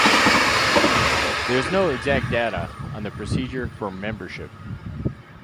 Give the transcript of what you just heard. There is no exact data on the procedure for membership.